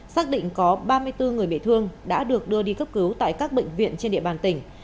xác định có ba mươi bốn người bị thương đã được đưa đi cấp cứu tại các bệnh viện trên địa bàn tỉnh